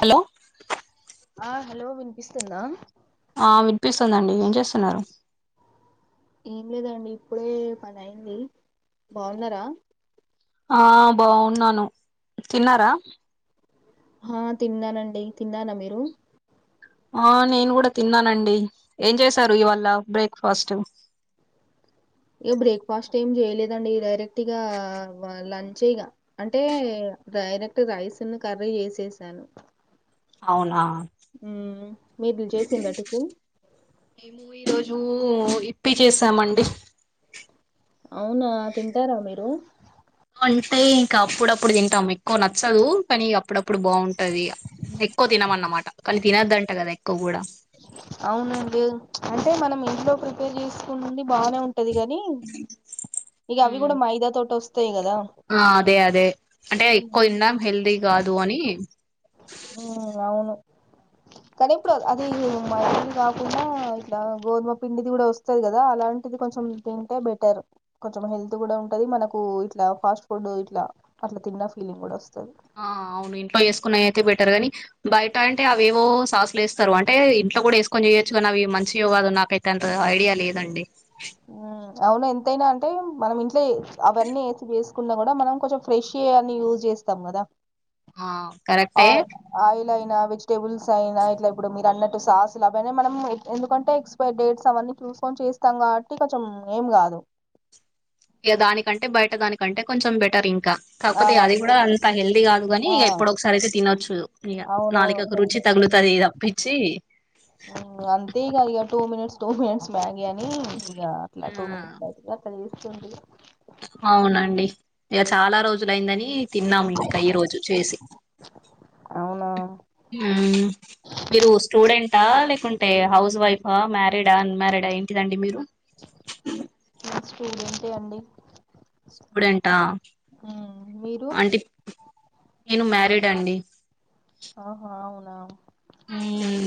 Hello ఆ hello వినిపిస్తుందా ఆ వినిపిస్తుందండి ఏం చేస్తున్నారు ఏం లేదండి ఇప్పుడే పని అయింది బాగున్నారా ఆ బాగున్నాను తిన్నారా ఆ తిన్నానండి తిన్నానా మీరు ఆ నేను కూడా తిన్నానండి ఏం చేసారు ఇవాళ బ్రేక్ఫాస్ట్ ఇక బ్రేక్ఫాస్ట్ ఏం చేయలేదండి డైరెక్ట్గా లంచే ఇగా అంటే డైరెక్ట్ రైస్ని కర్రీ చేసేసాను అవునా హుమ్ మీది చేసిందా టిఫిన్ మేము ఈరోజు ఇప్పి చేసామండి అవునా తింటారా మీరు అంటే ఇంకా అప్పుడప్పుడు తింటాం ఎక్కువ నచ్చదు కానీ అప్పుడప్పుడు బాగుంటది ఇగా ఎక్కువ తినమన్నమాట అది తినొద్దంట కదా ఎక్కువ కూడా అవునండి అంటే మనం ఇంట్లోకి చేసుకుని తిని బానే ఉంటది గాని ఇగా అవి కూడ ఉమ్. మైదా తోటి వస్తాయి కదా ఆ అదే అదే అంటే ఎక్కువ తిన్నా హెల్దీ కాదు అని హుమ్ అవును కానీ ఎప్పుడు అది మైదా కాకుండా ఇట్లా గోధుమ పిండిది కూడా వస్తుంది కదా అలాంటిది కొంచెం ఇంకా బెటర్ కొంచెం హెల్త్ కూడా ఉంటది మనకు ఇట్లా ఫాస్ట్ ఫుడ్ ఇట్లా అట్లా తిన్న ఫీలింగ్ కూడా వస్తుంది ఆ అవును ఇంట్లో చేసుకున్నయి అయితే బెటర్ గాని బయట అంటే అవేవో సాస్లు వేస్తారు అంటే ఇంట్లో కూడా వేసుకొని చేయొచ్చు కానీ అవి మంచిగా కాదు నాకైతే అంత ఐడియా లేదండి హుమ్ అవును ఎంతైనా అంటే మనం ఇంట్లో అవన్నీ వేసి ఏసుకున్నా కూడా మనం కొంచెం ఫ్రెష్ అన్నీ యూజ్ చేస్ చేస్తాం కదా ఆ ఆ కరెక్టే ఆయిల్ అయినా వెజిటేబుల్స్ అయినా ఇట్లా ఇప్పుడు మీరు అన్నట్టు సాస్ అవన్ని మనం ఎందుకంటే డేట్స్ అవన్నీ చూసుకొని చేస్తాం కాబట్టి కొంచెం ఏం కాదు ఇగ దానికంటే బయట దానికంటే కొంచెం బెటర్ ఇంకా ఆ కాకపోతే అది కూడా అంతే అంత హెల్దీ కాదు కానీ ఆ ఇక ఎప్పుడొ ఒకసారి అయితే తినొచ్చు ఇక నాలుకకు అవునవును రుచి తగులుతది తప్పిచ్చి ఇగ అంతే ఇగా two minutes two minutes Maggi అని ఇక అట్లా ఆ [unintelligible] అవునండి ఇక చాలా రోజులయిందని తిన్నాము ఇంకా ఈ రోజు చేసి అవునా హుమ్ మీరు స్టూడెంటా లేకుంటే హౌస్ వైఫా మ్యారీడా అన్మారిడా ఏంటిదండి మీరు ఇంక స్టూడెంటె అండి స్టూడెంటా మీరు అంటే నేను మ్యారీడ్ అండి ఆహా అవునా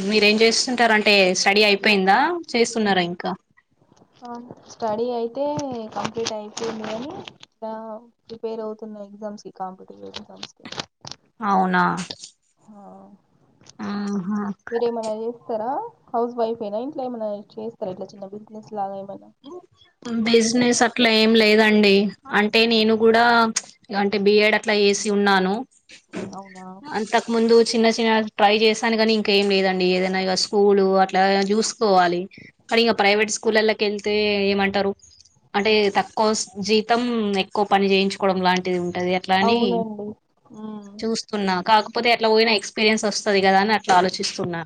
మీరేం చేస్తుంటారండి స్టడీ అయిపోయిందా చేస్తున్నారా ఇంకా స్టడీ అయితే కంప్లీట్ అయిపోంది గాని ఇక ప్రిపేర్ అవుతున్న ఎగ్జామ్స్ కి కాంపిటేటివ్ ఎగ్జామ్స్ కి అవునా అవును ఆహా మీరేమన్నా చేస్తరా, హౌస్ వైఫేయినా ఇంట్ల ఏమన్నా చేస్తరా ఇట్లా చిన్న బిజినెస్ లాగా ఏమన్నా. బిజినెస్ అట్లా ఏం లేదండి అంటే నేను కూడా అంటే బిఏడ్ అట్లా చేసి ఉన్నాను అవునా అంత ముందు చిన్న చిన్న ట్రై చేసాను కాని ఇంక ఏం లేదండి. ఏదైనా ఇగ స్కూల్ అట్లా చూసుకోవాలి. కానీ ఇగ ప్రైవేట్ స్కూల్లలకు ఎళ్తే ఏమంటరు. అంటే తక్కువ జీతం ఎక్కువ పని చేయించుకోవడం లాంటిది ఉంటది. అట్లాని అవునండి ఉమ్ చూస్ తున్నా కాకపోతే అట్ల పోయిన ఎక్స్పీరియన్స్ వస్తది కదా అని అట్ల ఆలోచిస్తున్నా.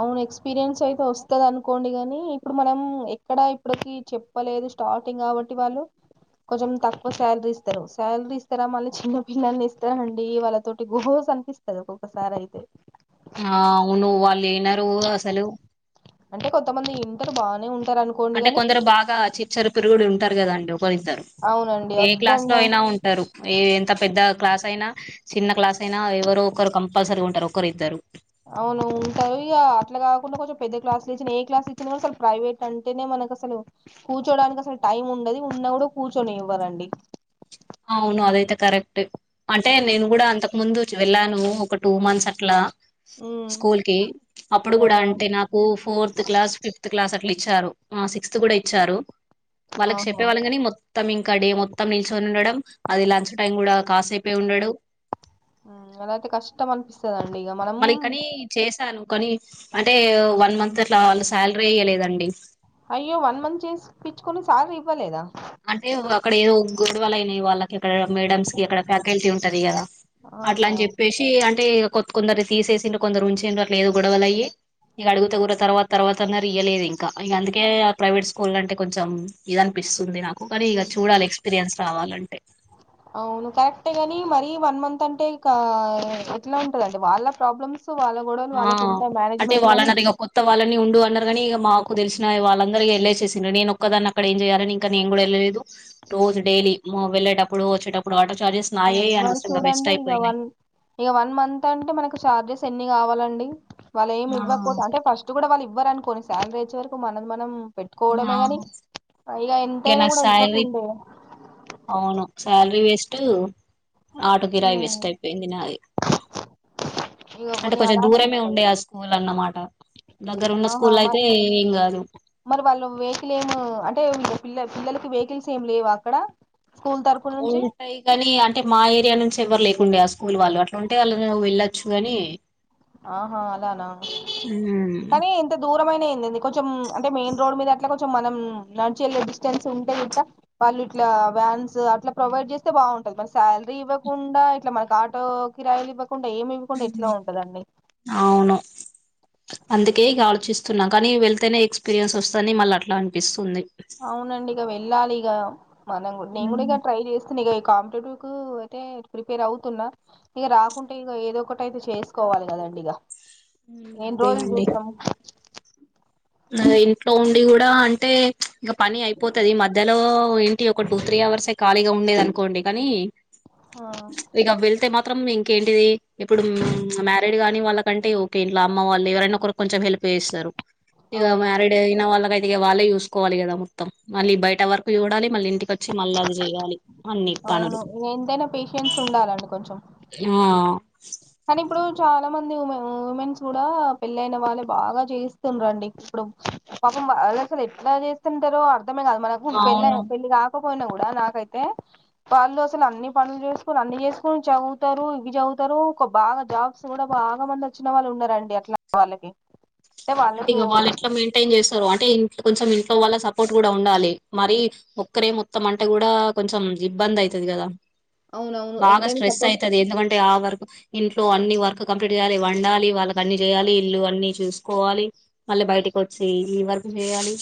అవును ఎక్స్పీరియన్స్ అయితే వస్తది అనుకోండి గాని ఇప్పుడు మనం ఎక్కడ ఇప్పడికి చెప్ ప్పలేదు స్టార్టింగ్ కాబట్టి వాళ్ళు కొంచెం తక్కువ సాలరీ ఇస్తరు. సాలరీ ఇస్తరా మళ్ళీ చిన్న పిల్లల్ని ఇస్తరండి వాళ్ళతోటి గోస అనిపిస్ స్తది ఒక్కొక్కసారి అయితే. ఆ అవును వాళ్ళు ఇనరు అసలు. అంటే కొంతమంది ఇంటరు బానే ఉంటరు అను అంటే కొందరు బాగా చిచ్చర పిరుగుడు ఉంటరు కదండి ఒకరిద్దరు అవునండి ఏ క్లాస్లో వద్దన్నం అయినా ఉం టరు ఏ ఎంత పెద్ద క్లాస్ అయినా చిన్న క్లాస్ అయినా ఎవరో ఒకరు కంపల్సరీ ఉంటరు ఒకరు ఇద్దరు. అవును ఉంటరు ఇగ అట్లా కాకుండా కొంచెం పెద్ద క్లాస్లు ఇచ్చినా ఏ క్లాస్లు ఇచ్చిన అసలు ప్రైవేట్ అంటనే మనకు అస్సలు కూర్చోడానికి అసలు టైం ఉండది ఉన్నా కూడా కూర్చొనివ్వరండి. అవును అదైతే కరెక్టే. అంటే నేను కూడా అంతకు ముందు వెళ్ళాను ఒక టూ మంత్స్ అట్లా. ఉమ్ స్కూల్ కి అప్పుడు కూడా అవునా అంటే నాకు fourth class fifth class అట్లా ఇచ్చారు, ఆ సిక్స్త్ కూడా ఇచ్చారు వాళ్ళకి ఆహా చెప్పేవాళ్ళం కాని మొ త్తం ఇంకా డే మొత్తం నిల్చొని ఉండడం, అది లంచ్ టైం కూడా కాసేపే ఉండడు. అలాయితే కష్టం అనిపిస్తదండి ఇగ మనం మళ్ళి కాని చేశాను కానీ అంటే వన్ మంత్ అట్లా వాళ్ళు సాలరీ ఈయలేదండి. అయ్యో వన్ మంత్ చేసి పిచ్చుకొని సాలరీ ఇవ్వలేదా. అంటే అక్కడ ఏవో గొడవలు అయినయి వాళ్ళకి అక్కడ మేడమ్స్ కి అక్కడ ఫ్యాకల్టీ ఉంటది కదా అట్లా ఆహా అని చెప్పేశి తే అంటే కొత్ కొందరు తీసేసింరు కొందరు ఉంచిర్రు అట్ల ఏవో గొడవలయి ఇగ అడుగుతే కూడా తర్వాత తర్వాతన్నరు ఇయ్యలేదు ఇం ఇంకా ఇగ అందుకే ఆ ప్రైవేట్ స్కూల్ అంటే కొంచెం ఇది అనిపిస్తుంది నాకు. కు కాని ఇగ ఉమ్. చూడాలి ఎక్స్పీరియన్స్ రావాలంటే. అవును కరెక్టే గాని మరీ వన్ మంత్ అంటే ఇంకా ఎట్ల ఉంటదండి వాళ్ళ ప్రాబ్లమ్స్ వాళ్ళ గొడవలు ఆ వాళ్ళకు ఉంటయి అంటే మేనేజ్మెంట్ కాని వాళ్ళన్నారు ఇక కొత్త వాళ్ళని ఉండు అన్నరు కానీ ఇగ మాకు తెలిసిన వాళ్ళందరు ఇగ ఎళ్ళేసేసింర్రు, నేను ఒక్కదాన్ని అక్కడ ఏం చేయాలని కనీ నేను కూడా ఎళ్ళలేదు. రోజు డైలీ వెళ్ళేటప్పుడు వచ్చేటప్పుడు ఆటో చార్జెస్ నాయే ఉమ్, మరి అనవసరంగా వేస్ట్ చూడండి ఇగ అయిపోయినయి. వన్ ఇగ వన్ మంత్ అంటే మనకు చార్జెస్ ఎన్ని కావాలండి వాళ్ళు ఏమి ఇవ్వకపోతే ఆ అంటే ఫస్ట్ స్ట్ కూడా వాళ్ళు ఇవ్వరనుకొని సాలరీ వచ్చేవరకు మనది మనం పెట్టుకోవడమే గాని ఇగ ఎంతైనా నా కూడా శాలరీ ఇవ్వకుండే అవును సాలరీ వేస్ట్, ఆటో కిరాయి వేస్ట్ అయిపోయింది నాది ఇగ. ఇగ అంటే కొన్ని కొంచెం అలానే దూరమే ఉండే ఉంటాయి ఆ స్కూల్ అన్నమాట దగ్గర ఉన్న ఆహా స్కూల్ల మరి అయితే ఏం కాదు. మరి వాళ్ళు వెహికల్ ఏము అంటే పిల్ల పిల్లలకి వెహికిల్స్ ఏమి లేవా అక్కడ. కుల్తార్ అవును ఉమ్ కాని అంటే మా ఏరియా నుంచి ఎవరు లేకుండడా ఆ స్కూల్ వాళ్ళు అట్లా ఉంటే వాళ్ళు వెళ్ళొచ్చు గని ఆహ అలానా కానీ ఇంత దూరమైనే ఏందడి కొంచెం అంటే మెయిన్ రోడ్ మీద అట్లా కొంచెం మనం నడిచ డిస్టెన్స్ ఉంటే కూడా వాళ్ళు ఇట్లా వ్యాన్స్ అట్ల ప్రొవైడ్ చేస్తే బాగుంటది మన శాలరీ ఇవ్వకుండా ఇట్లా మనకి ఆటో కిరాయలు ఇవ్వకుండా ఏమివకుండా ఎట్ల ఉంటదండి అవును అందుకే ఇగ ఆలోచిస్తున్న కానీ వెళ్తేనే ఎక్స్పీరియన్స్ వస్తుని మళ్ళీ అట్లా అనిపిస్తుంది అవునండి ఇగ వెళ్ళాలీగ మనం నేను కూడా ఇ ట్రై చేస్తాను ఇక కాంపిటేటివ్ టూ అయితే ప్రిపేర్ అవుతున్న ఇక రాకుంటే ఇక ఏదో ఒకటియితే చేసుకోవాలి కదండి ఇక ఎన్ని రోజులు అదేనండి చూస్తము ఆ ఇంట్లో ఉండి కూడా అంటే ఇంక పని అయిపోతుది మధ్యలో ఇగ ఒక టూ త్రీ అవర్స్ కలిగివుండేది అనుకోండి కానీ ఆ ఇక వెళ్తే మాత్రం ఇంకేంటిది ఇప్పుడు మ్యారీడ్ కాగానీ వాళ్ళకంటే ఓకే ఇంట్లో అమ్మ వాళ్ళు ఎవరైనా ఒకరూ కొంచెం హెల్ప్ చేస్తరు ఇగ అవునండి మ్యారీడ్ అయిన వాళ్ళకైతే వాళ్ళే చూసుకోవాలి కద మత్త మళ్ళీ బయట వరకు చూడాల మళ్ళీ ఇంటిక చ్చి మళ్ళ అది చెయలి అన్ని అవును పనులు ఎంతైనా పేషిన్స్ ఉండాలండి కొంచెం ఆ కానీ ఇప్పుడు చాలా మంది ఉమె ఉమెన్స్ కూడా పెళ్ళయిన వాళ్ళే బాగా చేయిస్తుంరండి ఇప్పుడు పాపం వాళ్ళు అసలు ఎట్ల చేస్తుంటారో అర్థమే కాదు మనకు పెళ్ళ అవును పెళ్ళలి కా పోయినా కూడా నాకైతే వాళ్ళు అసలు అన్ని పనులు చేసుకొని అన్ని చేసుకుని చదువుతరు ఇవి చదువుతారు ఒక బాగా జాబ్స్ కూడా బాగా మంది వచ్చిన వాళ్ళు ఉన్నారండి అట్ల వాళ్ళకి అంటే ఇక వాళ్ళు ఎట్లా మెయింటైన్ చేస్తారో అంటే ఇన్ ఇంట్లో వాళ్ళకి సపోర్ట్ కూడా ఉండాలి మరి ముక్కరే మొత్తం అంటే కూడా కొంచెం ఇబ్బంది అవుతది కదా అవునవును బాగా ఎంతైనా స్ట్రెస్ సపోర్ట్ అయితది ఎందుకం టే ఆ వర్క్ ఇంట్లో అన్ని వర్క్ కంప్లీట్ చేయ్యాలి వండాలి వాళ్ళకి అన్ని చేయాలి ఇల్లు అన్ని చూ కోవాలి మళ్ళీ బయటకి వచ్చి ఈ వరకు చేయాలి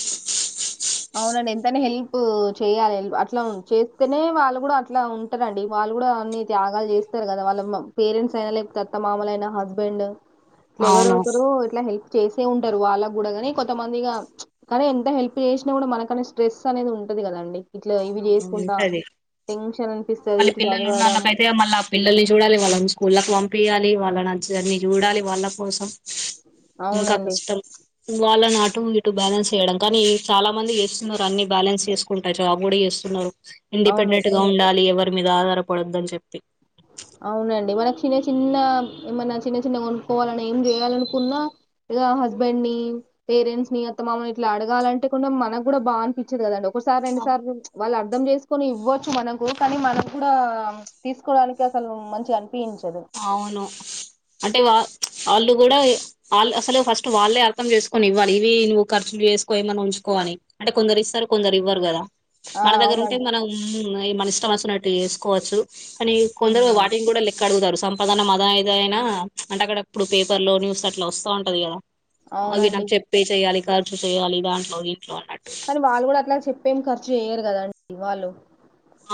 అవునండి ఎంతన హెల్ప్ చేయ్యాలిల్ప్ అట్లా చేస్తేనే వాళ్ళు కూడా అట్ల ఉ ఉంటారండి వాళ్ళు కూడా అన్ని త్యాగాలు చేస్తారు కదా వాళ్ళ పేరెంట్స్ అయినా లేకపోతేత్త మాములయినా హస్బెండ్ [inaudible] ఎవరో అవును ఒకరు ఇట్లా హెల్ప్ చేసే ఉంటారు వాళ్ళకి కూడా గాని కొంతమందిగా కానీ ఎంత హెల్ప్ చేస్ నా మనకనే స్ట్రెస్ అనేది ఉంటది కదండి ఇట్లా ఇవి అవునవును చేసుకుంట ఉంటది టెన్షన్ అనిపిస్తది మళ్ళీ ఇటు పిల్లలు చదవడం ఉన్నళ్ళకైతే మళ్ళీ ఆ పిల్లల్ని చూడాలి వాళ్ళ స్కూళ్ళలకు పంపయాలి వాళ్ళ నంచిన్ని చూడాలి వాళ్ళ కోసం ఇంక అవునండి కష్టం వాళ్ళ నటు ఇటు బ్యాలెన్స చెయ్యడం కానీ చాలా మంది చేస్తున్నారు అన్ని బాలన్స్ చెస్ జాబ్ కూడా చేస్తున్నారు అవును ఇండిపెండెంట్ గా ఉండాలి ఎవరిమీద ఆధార పద్దోదు అని చెప్పి అవునండి మన చిన్న చిన్న ఏమన్నా చిన్న చిన్నగా కొనుక్కోవాలన్నా ఏం చేయాలనుకున్న ఇగ హస్బెండ్ ని పేరెంట్స్ ని అత్తమామని ఇట్ల అడగాలంటే కూడా మనకు కూడా బాగా అనిపి తది కదండి ఒకసారి రెండు సార్లు వాళ్ళు అర్ధం చేసుకుని ఇవ్వచ్చు మనకు కానీ మనం కూడా తీసుకోవడానిక్ గ అసలు మంచిగా అనిపించదు. అవును అంటే వా వాళ్ళు కూడ వాళ్ళు అసలు ఫస్ట్ వాళ్ళే అర్థం చేసుకొని ఇవ్వాలి. ఇవి నువ్వు ఖర్చులు చేసుకో, ఏమన్న ఉంచుకో అని. అంటే కొందరు ఇస్తారు. కొందరు ఇవ్వరు కదా! ఆ మన దగ్గర ఉంటే అవునండి మనం మన ఇష్టం వచ్చినట్టు చేసుకోవచ్చు. కాని కొందరు ఉమ్, వాటిని కూడ లెక్క అడుగుతారు. సంపాదన మద ఏద అయినా అంటే అక్కడ అప్పుడు పేపర్ లో న్యూస్ అట్లా వస్తాంటది కదా! అవి అవునండి నాకు చెప్పే చెయ్యాలి ఖర్చు చేయాలి దాంట్లో దీంట్లో అన్నట్టు. కానీ వాళ్ళు కూడ అట్లా చెప్పేం ఖర్చు చేయ్యరు కదండి వాళ్ళు.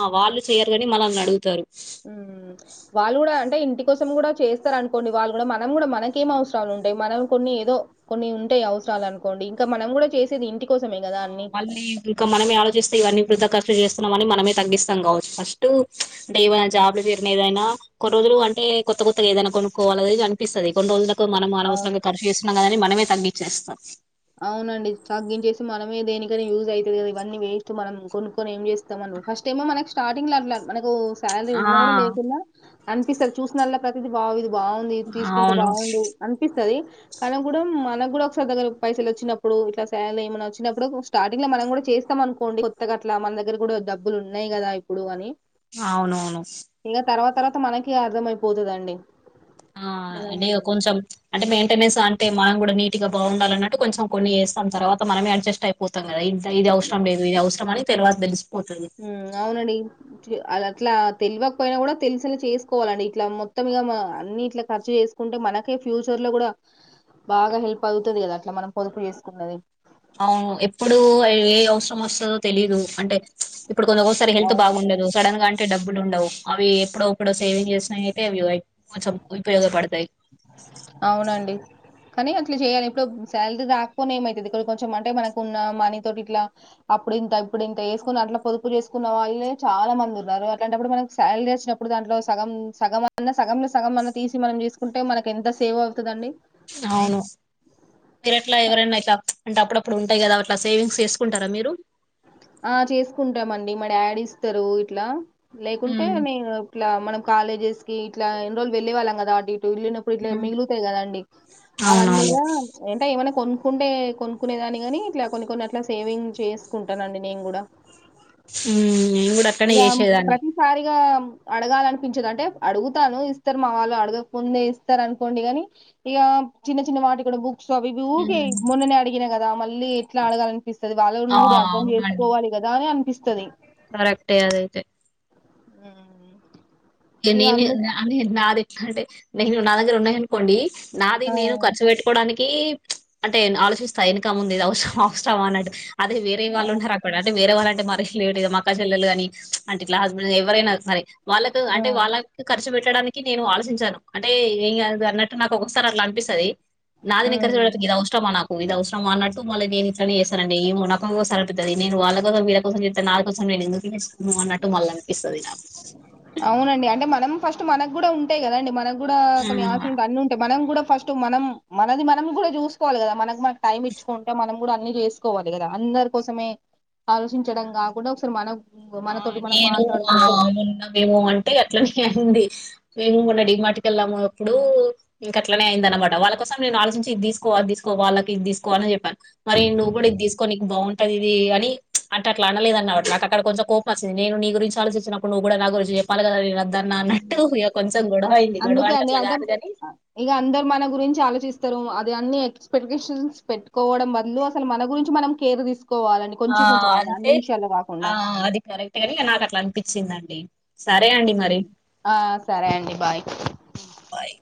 ఆ వాళ్ళు చెయ్యరు కాని మనల్ని అడుగుతారు. మ్ వాళ్ళు కూడ అంటే ఇంటి కోసం కూడా చేస్తారు అనుకోండి వాళ్ళు కూడా. మనం కూడా మనకేం అవసరాలు ఉంటాయి మనం కొన్ని ఏదో కొన్ని ఉంటాయి అవసరాలు అనుకోండి ఇంకా మనం కూడ చేసేది ఇంటికోసమే కదా ఆ అన్ని మళ్ళీ ఇంకా మనమే ఆలోచిస్తే ఇవన్నీ వృధ ఖర్చు చేస్తున్నాం అని మనమే తగ్గిస్తా కావచ్చు. ఫస్ట్ అంటే ఏమైనా జాబ్లు చేరినా ఏదైనా కొన్ని రోజులు అంటే కొత్త కొత్తగా ఏదైనా కొనుకోవాలి. అది ఇది అనిపిస్తది కొన్ని రోజులు తప్ మనం అవును. అనవసరంగా ఖర్చు చేస్తున్నాంగదని మనమే తగ్గిచ్చేస్తాం. అవునండి తగ్గించేసి మనమే దేనికైనా యూజ్ అయితది కదా ఇవన్నీ వేస్ట్ మనం కొనుక్కొని ఏం చేస్ ఫస్ట్ ఏమో మనకు స్టార్టింగ్ లో అట్లా మనకు శాలరీ ఆ ఉన్నా కూడా లేకున్నా అనిపిస్తది. చూసినల్లా ప్రతిది బా ఇది బాగుంది, తీసుకుంటే అవును బాగుండు. అనిపిస్తది అయినా గూడ మనకు కూడ ఒకసగదల్ పైసలు వచ్చినప్పుడు, ఇట్లా శాలరీ ఏమైన వచ్చినప్పుడు, స్టార్టింగ్ లో మనం కూడా చేస్తాం అనుకోండి కొత్తగ అట్ ఇట్ల మన దగ్గర కూడ డబ్బులు ఉన్నాయి కదా ఇప్పుడు అని అవునవును ఇంగ తర్వాత తర్వాత మనకి అర్థమయిపోతుదండి ఆ అంటే ఇగ కొంచెం అంటే మెయింటెన్స్ అంటే, మనం కూడా నీటుగా బాగుండాలన్నట్టు కొంచెం కొన్ని చేస్తాం. తర్వాత మనమే అడ్జస్ట్ అయి పోతాం కదా ఇ ఇది అవసరం లేదు ఇది అవసర అని తర్వాత తెలిసిపోతది. మ్ అవునడి అది అట్లా తెల్వకపోయినా కూడ, తెలిసేలా చేసుకోవాలండి. ఇట్లా మొత్తం ఇగ అన్ని ఇట్లా ఖర్చు చేసు కుంటే మనకే ఫ్యూచర్ లో కూడా బాగా హెల్ప్ అవుతది కదా అట్ల మనం పొదుపు చేసుకున్నది. అవును ఎప్పుడు ఏ అవసరం వస్తదో తెలీదు అంటే ఇప్పుడు కొందరికి ఒకసారి హెల్త్ అవును. బాగుండదు. సడన్గాంటే డబ్బులు ఉండవు. అవి ఎప్పుడు ఇప్పుడ సేవింగ్ చేసినవయితే అవి కొంచెం ఉపయోగపడతాయి అవునండి కానీ అట్ల చేయాలి ఇప్పుడు శాలరీ రాకపోని ఏమైతది ఇక్క కొంచెం అంటే మనకున్న మనీ తోటి ఇట్లా అప్పుడింత ఇప్పుడింత ఏసుకుని అట్లా పొదుపు చేసుకున్న వాళ్ళే చాలా మంది ఉన్నారు. అట్లాంటప్పుడు, మనకు శాలరీ వసినప్ ఇప్పుడు దాంట్లో సగం సగమన్నా సగంలో సగం అన్న తీసి మనం తీసుకుంటే మనకి ఎంత సేవ్ అవుతది అండి అవును మీరట్ల ఎవరన్నా ఇట్లా అప్పుడప్పుడు ఉంటాయి కదా అట్లా సేవింగ్స్ చేసుకుంటారా మీరు? ఆ చేసుకుంటామండి. మా డాడీ ఇస్తారు ఇట్లా లేకుంటే ఉమ్, నే ఇట్లా మనం కాలేజెస్ కి ఇట్లా ఇన్ని రోజులు వెళ్లే వాళ్ళం కదా అండి ఎల్లినప్పుడు ఇట్లా ఉమ్, మిగులుతాయి కదండి అవన్నీ అవునవును గూడ ఏంట ఏమైనా కొనుక్కుంటే కొనుక్కునేదాని కాని ఇట్ల కొన్ని కొన్ని అట్లా సేవింగ్ చేస్ కుంటానండి నేను కూడ. ఉమ్, నేను కూడా అట్లనే ఇక చేసేదాన్ని ప్రతి సారిగా అడగాలనిపించదు అంటే అడుగుతాను ఇస్తారు మా వాళ్ళు అడగక ముందే ఇస్తారు అనుకోండి గాని ఇక చిన్న చిన్న వాటి కూడా బుక్స్ అవి ఇ ఊక ఉమ్, మొన్ననే అడిగినయి కదా మళ్ళీ ఎట్లా అడగాలని అనిపిస్తది ఆ వాళ్ళని కూడా అర్థం అవునండి చేసుకోవాలి కదా అని అనిపిస్తది కరెక్టే అదైతే ఊ ఇగ నేను అదే నాది ఎట్లా అంటే నేను నా దగ్గర ఉన్నాయ అనుకోండి నాది ఆ నేను ఖర్చు పెట్టుకోడానికి కి ప్చ్ అంటే ఆలోచిస్తా ఇనక ముందు ఇది అవసరం అవసరం అన్నట్టు అదే వెరే ఆ వాళ్ళుంన్నారానుకోండి అక్కడ అంటేరే వాళ్ళంటే మరలు లేే కద మక్క చెల్లలు కానీ అంటే ఇట్లా హస్బెండ్ ఎవరైనా సరే వాళ్ళకు ఆ అంటే వాళ్ళక్ ఖర్చు పెట్టడానికి నేను ఆలోచించాను అంటే ఏం గాదు అన్నట్టు నాకు ఒకసారి అట్లా అనిపిస్తది నాది నికర్ ఉమ్ చేపట్టి ఇది అవసరం ఆ నాకు ఇది అవసరమా అన్నట్టు మళ్ నేను ఇట్నే చేస్తానండి ఏమో నాకొసారి అనిపితుంది నేను వాళ్ళ కోసం వీళ్ళ కోసం చెస్తా నా కోసం నేన్ ఎందుకు ఎస్ నువ్ అన్నట్టు మళ్ళ అనిపిస్తుంది నాకు అవునండి అంటే మనం ఫస్ట్ మనకు కూడా ఉంటాయి కదా అండి మనకు కూడా కొన్ని ఆసలు ఆ ఉంట అన్ని ఉంటాయి మనం కూడా ఫస్ట్ మనం మనది మనం కూడా చూసుకోవాలి కదా మన మన టైం ఇచ్చుకుంటే మనం కూడా అన్ని చేసుకోవాలి కదా అందరి కోసమే ఆలోచించడం కాకుండా ఒకసారి మనం ఆ మనతోటి నేను ఆ మాట్లాడుకోవడం మొన్నమేమో అంటే అట్లనే అంది మేము కూడా డి మాటికెళ్ళాము అప్పుడు ఇంక అట్లనే అయిందనమాట వాళ్ళ కోసం నేను ఆలోచించి ఇది తీసుకో అది తీసుకో వాళ్కి ఇదిసుకో అని చెప్పాను మరి నువ్వు కూడా ఉమ్. ఇది తీసుకో నీకు బాగుంటది ఇది అని ప్చ్ అంటె అట్లా అనలేదు అన్నట నాకు అక్కడ కొంచెం కోపమాచ్చింది నీ గురించి ఆలోచించినప్పుడు నువు కూడా నా గురించి చె పలగద రద్దన్న ఉమ్. అన్నట్టు ఇక కొంచెం గొడవ అయింది గొడవ అందుకే అండి అట్లా అంటే కాదుగాని అ, ఇక అందరు మన గురించి ఆలోచిస్తారు అది అన్ని ఎక్స్పెక్టేషన్స్ పెట్టుకోవడం బదులు అసలు మన గురించి మనం కేర్ తీసుకోవాలండి ఆ కొంచెం కొంచెం అన్ని అన్ని అంటె విషయాల్లో కాకుండా ఆ అదికరెక్ టె గని నాకు అట్లా అనిపించిందండి సరే అండి మరి ఆ సరే అండి బాయ్ ఆ బాయ్